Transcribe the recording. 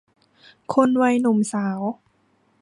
คนวัยหนุ่มสาว